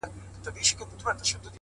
• زما څخه مه غواړه غزل د پسرلي د نسیم,